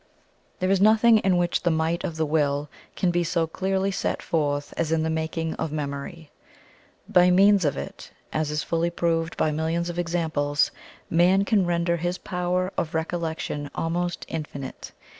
There is nothing in which the might of the Will can be so clearly set forth as in the making of memory. By means of it, as is fully proved by millions of examples, man can render his power of recollection almost infinite.